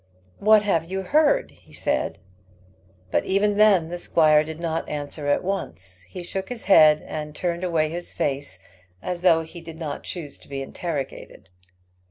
"What have you heard?" he said. But even then the squire did not answer at once. He shook his head, and turned away his face, as though he did not choose to be interrogated.